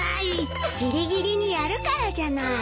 ギリギリにやるからじゃない。